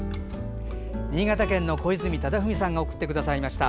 新潟県の小泉忠文さんが送ってくださいました。